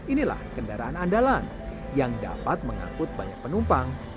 inilah kendaraan andalan yang dapat mengangkut banyak penumpang